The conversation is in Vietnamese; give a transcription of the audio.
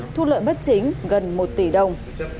thu lợi bất chính gần một tỷ đồng